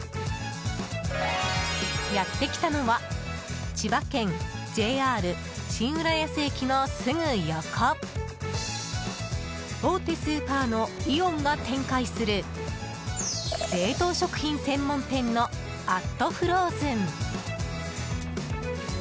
やってきたのは千葉県ＪＲ新浦安駅のすぐ横大手スーパーのイオンが展開する冷凍食品専門店の＠ＦＲＯＺＥＮ。